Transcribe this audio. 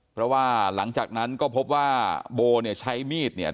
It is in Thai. เพราะว่าหลังจากนั้นก็พบว่าโบเนี่ยใช้มีดเนี่ย